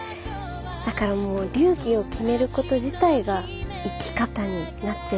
だからもう流儀を決めること自体が生き方になってるなと。